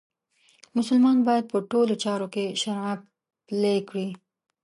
مسلمان باید په ټولو چارو کې شرعه پلې کړي.